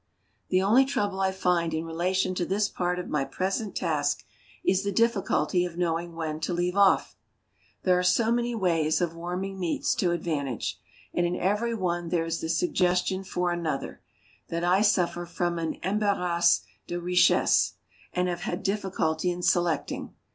The only trouble I find in relation to this part of my present task is the difficulty of knowing when to leave off. There are so many ways of warming meats to advantage and in every one way there is the suggestion for another that I suffer from an embarras de richesse, and have had difficulty in selecting.